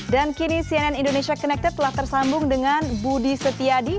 dan kini cnn indonesia connected telah tersambung dengan budi setiadi